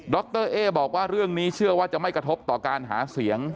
รเอ๊บอกว่าเรื่องนี้เชื่อว่าจะไม่กระทบต่อการหาเสียง